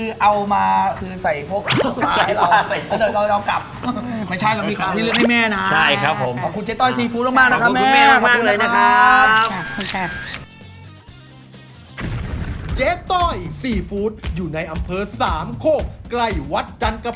เอาเนื้อไหมของแก่ให้คุณได้ครับขอบคุณครับ